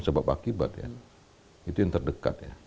sebab akibat ya itu yang terdekat ya